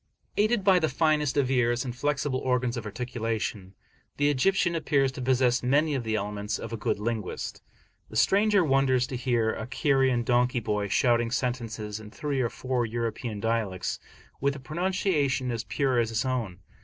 Aided by the finest of ears, and flexible organs of articulation, the Egyptian appears to possess many of the elements of a good linguist. The stranger wonders to hear a Cairene donkey boy shouting sentences in three or four European dialects, with a pronunciation as pure as his own.